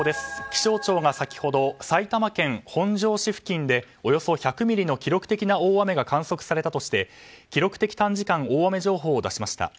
気象庁が先ほど埼玉県本庄市付近でおよそ１００ミリの記録的な大雨が観測されたとして記録的短時間大雨情報を出しました。